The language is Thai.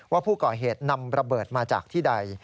ว่าผู้ก่อเหตุนำระเบิดมาจากที่ใด